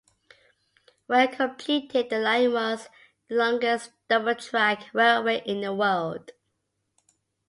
When completed, the line was the longest double-track railway in the world.